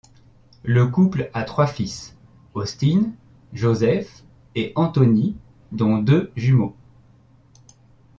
Le couple a trois fils, Austin, Joseph et Anthony dont deux jumeaux.